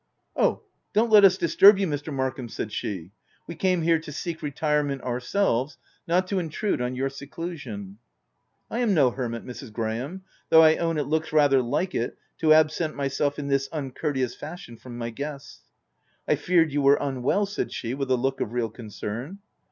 " Oh, don't let us disturb you Mr. Mark ham V said she. " We came here to seek re tirement ourselves ; not to intrude on your seclusion/' " I am no hermit, Mrs. Graham— though I own it looks rather like it, to absent myself in this uncourteous fashion from my guests." u I feared you were unwell/' said she with a look of real concern.